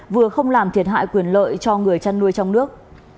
vừa không làm thiệt hại quyền lợi cho người chăn nuôi trong nước